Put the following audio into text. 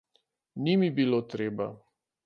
Ni mi bilo treba.